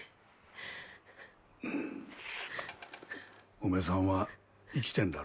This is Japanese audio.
おめさんは生きてんらろ。